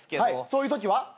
そういうときは？